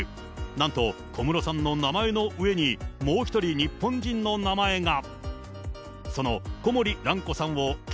なんと小室さんの名前の上に、もう１人、日本人の名前が。